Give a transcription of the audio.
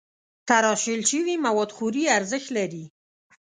تراشل شوي مواد خوري ارزښت لري.